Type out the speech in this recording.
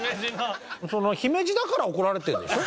姫路だから怒られてるんでしょ？